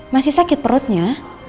masih sakit perutnya